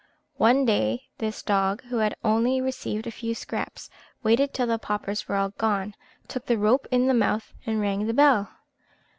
One day this dog, who had only received a few scraps, waited till the paupers were all gone, took the rope in his mouth, and rang the bell.